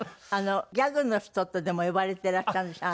「ギャグの人」ってでも呼ばれていらっしゃるんでしょ？